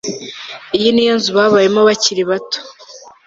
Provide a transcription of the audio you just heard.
iyi ni yo nzu babayemo bakiri bato